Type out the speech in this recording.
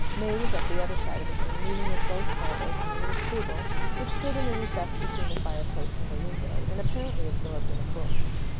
May was at the other side of the room, leaning with both elbows on a little table which stood in a recess between the fireplace and a window, and apparently absorbed in a book.